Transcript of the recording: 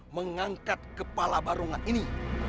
mengangkat kepala barungan ini